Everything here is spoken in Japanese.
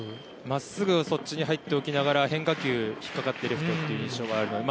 真っすぐがそっちに入っておきながら変化球引っかかってレフトという印象があるので